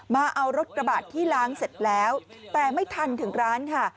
มาเอารถกระบาดที่ล้างเสร็จแล้วแต่ไม่ทันถึงร้านค่ะ